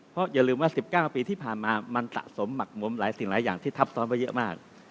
เพราะอย่าลืมว่า๑๙ปีที่ผ่านมามันสะสมหมักหมมหลายสิ่งหลายอย่างที่ทับซ้อนไว้เยอะมาก